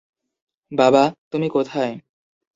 বাবা, তুমি কোথায়?